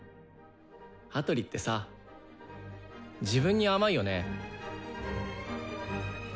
羽鳥ってさ自分に甘いよね。